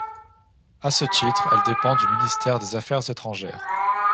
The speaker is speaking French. À ce titre, elle dépend du ministère des Affaires étrangères.